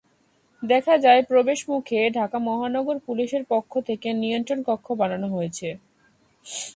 দেখা যায়, প্রবেশমুখে ঢাকা মহানগর পুলিশের পক্ষ থেকে নিয়ন্ত্রণকক্ষ বানানো হয়েছে।